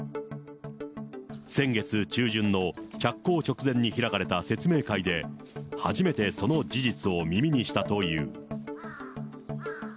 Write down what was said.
先月中旬の着工直前に開かれた説明会で、初めてその事実を耳にしたという。